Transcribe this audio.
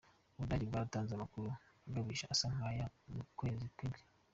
Ubudage bwaratanze amakuru agabisha asa nk'aya mu kwezi kw'indwi.